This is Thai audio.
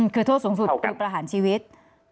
คือโทษสูงสุดคือประหารชีวิต